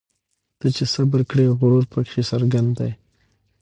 ته چي صبر کړې غرور پکښي څرګند دی